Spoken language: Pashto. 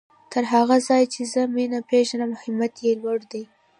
تر هغه ځايه چې زه مينه پېژنم همت يې لوړ دی.